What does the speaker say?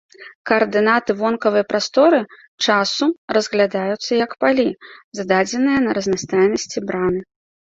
Каардынаты вонкавай прасторы-часу разглядаюцца як палі, зададзеныя на разнастайнасці браны.